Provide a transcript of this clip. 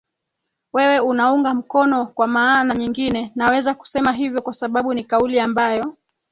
wewe unaunga mkono kwa maana nyingine naweza kusema hivyo kwa sababu ni kauli ambayo